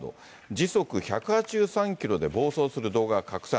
時速１８３キロで暴走する動画が拡散。